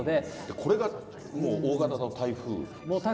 これがもう大型の台風。